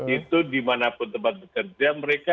itu dimanapun tempat bekerja mereka